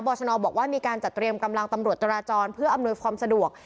ชนบอกว่ามีการจัดเตรียมกำลังตำรวจจราจรเพื่ออำนวยความสะดวก